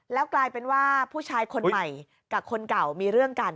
แล้วกลายเป็นว่าผู้ชายคนใหม่กับคนเก่ามีเรื่องกัน